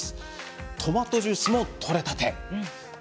トマトジュースも取れたて。